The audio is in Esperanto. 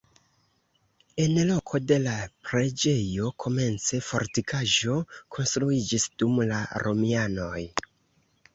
En loko de la preĝejo komence fortikaĵo konstruiĝis dum la romianoj.